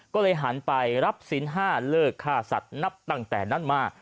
ก็เลยหันไปรับสิน๕เลิกค่าสัตว์นับตั้งแต่นั้นมา